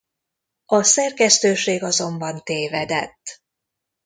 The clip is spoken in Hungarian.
A szerkesztőség azonban tévedett.